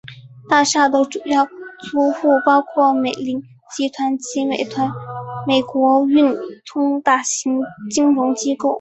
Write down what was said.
大厦的主要租户包括美林集团及美国运通大型金融机构。